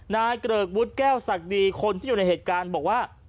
เกริกวุฒิแก้วศักดีคนที่อยู่ในเหตุการณ์บอกว่า